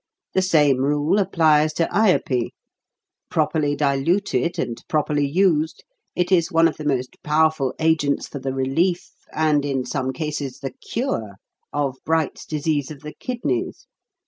The same rule applies to Ayupee. Properly diluted and properly used, it is one of the most powerful agents for the relief, and, in some cases, the cure, of Bright's disease of the kidneys.